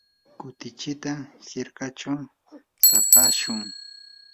kutichita hirkachaw tsapashun.